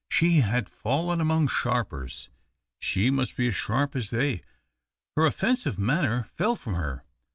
She had fallen among sharpers, she must be as sharp as they. Her offensive manner fell from her.